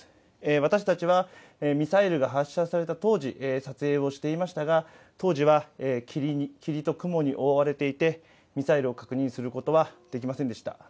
私たちは、ミサイルが発射された当時、撮影をしていましたが、当時は霧と雲に覆われていて、ミサイルを確認することはできませんでした。